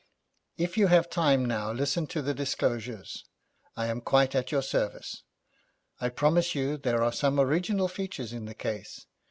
If you have time now to listen to the disclosures, I am quite at your service. I promise you there are some original features in the case.